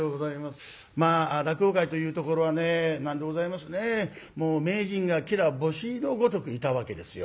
落語界というところはね何でございますねもう名人がきら星のごとくいたわけですよ。